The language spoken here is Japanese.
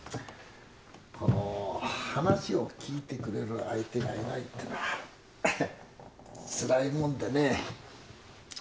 この話を聞いてくれる相手がいないってのはつらいもんでね。